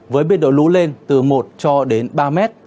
với biên độ lũ lên từ một cho đến ba mét